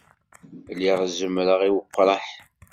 Lliɣ zemreɣ i weqraḥ.